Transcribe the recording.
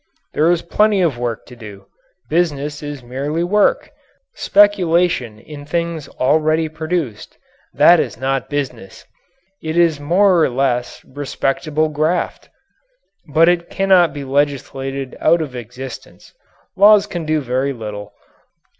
There is plenty of work to do. Business is merely work. Speculation in things already produced that is not business. It is just more or less respectable graft. But it cannot be legislated out of existence. Laws can do very little.